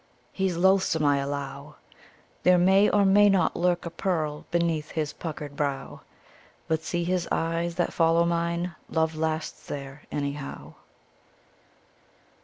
"He 's loathsome, I allow : There may or may not lurk a pearl beneath his puckered brow: Rut see his eyes that follow mine — love lasts, there, any how."